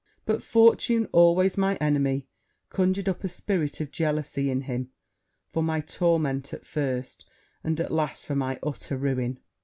But fortune, always my enemy, conjured up a spirit of jealousy in him, for my torment at first, and, at last, for my utter ruin.